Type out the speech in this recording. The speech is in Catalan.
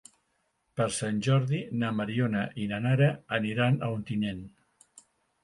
Per Sant Jordi na Mariona i na Nara aniran a Ontinyent.